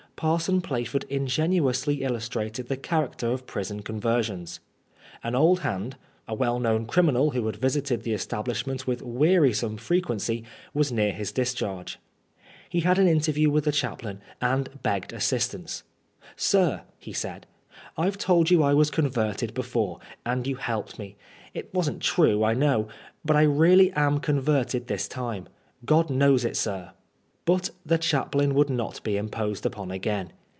Parson Plaford ingenuously illustrated the character of prison conversions. An old hand, a well known criminal who had visited the establishment with wearisome frequency, was near his discharge. He had an interview with the chaplain and begged assistance. " Sir," he said, " I've told you I was converted before, and you helped me. It wasn't true, I know ; but I am really converted this time. Gk)d knows it sir." But the chaplain would not be imposed upon again.